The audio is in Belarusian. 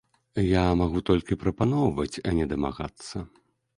Я магу толькі прапаноўваць, а не дамагацца.